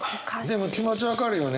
でも気持ち分かるよね。